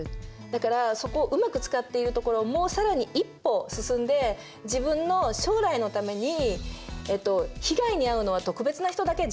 だからうまく使っているところをもう更に一歩進んで自分の将来のために「被害に遭うのは特別な人だけ。